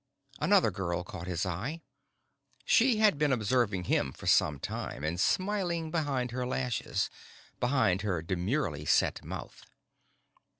Another girl caught his eye. She had been observing him for some time and smiling behind her lashes, behind her demurely set mouth.